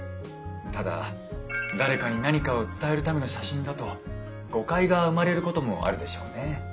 ただ誰かに何かを伝えるための写真だと誤解が生まれることもあるでしょうね。